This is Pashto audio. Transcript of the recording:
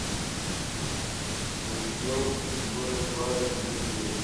يو يوه دوه دوې درې